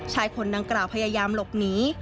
ชายคนดังกล่าวพยายามหลบหนี